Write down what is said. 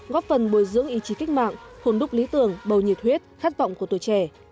góp phần bồi dưỡng ý chí cách mạng hồn đúc lý tưởng bầu nhiệt huyết khát vọng của tuổi trẻ